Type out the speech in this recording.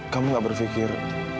kamu gak berpikir